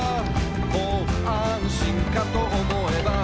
「もう安心かと思えば」